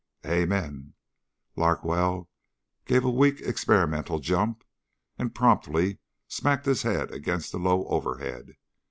"Amen." Larkwell gave a weak experimental jump and promptly smacked his head against the low overhead.